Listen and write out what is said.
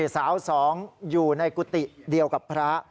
สาวสองอยู่ในกุฏิเดียวกับพระ